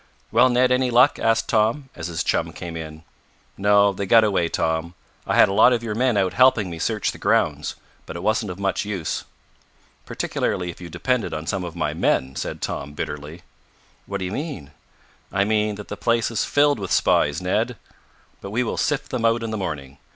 "Well, Ned, any luck?" asked Tom, as his chum came in. "No, they got away, Tom. I had a lot of your men out helping me search the grounds, but it wasn't of much use." "Particularly if you depended on some of my men," said Tom bitterly. "What do you mean?" "I mean that the place is filled with spies, Ned! But we will sift them out in the morning.